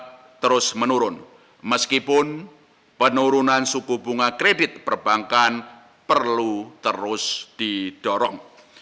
kita terus menurun meskipun penurunan suku bunga kredit perbankan perlu terus didorong